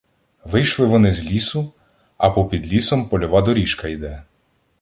Вийшли вони з лісу, а попід лісом польова доріжка йде.